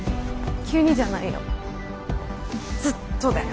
急にじゃないよずっとだよ。